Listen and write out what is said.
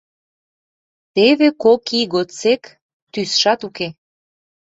Теве кок ий годсек тӱсшат уке.